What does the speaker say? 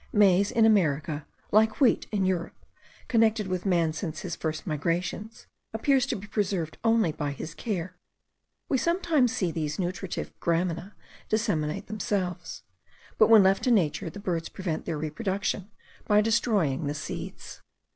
Maize in America, like wheat in Europe, connected with man since his first migrations, appears to be preserved only by his care. We sometimes see these nutritive gramina disseminate themselves; but when left to nature the birds prevent their reproduction by destroying the seeds.